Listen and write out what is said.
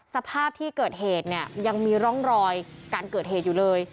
สภาพที่เกิดเหตุเนี่ยยังมีร่องรอยการเกิดเหตุอยู่เลย